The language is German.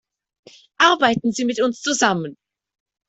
Arbeiten Sie mit uns zusammen.